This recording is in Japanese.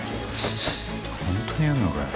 本当にやんのかよ。